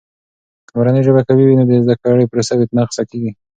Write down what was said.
که مورنۍ ژبه قوي وي، نو د زده کړې پروسه بې نقصه کیږي.